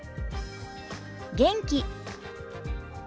元気。